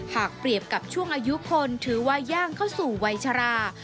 หากเปรียบกับช่วงอายุคนถือว่าย่างเข้าสู่วัยชรา